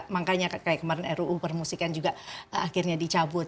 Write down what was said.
makanya kayak kemarin ruu permusikan juga akhirnya dicabut